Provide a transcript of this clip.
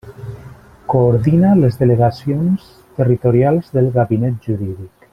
Coordina les delegacions territorials del Gabinet Jurídic.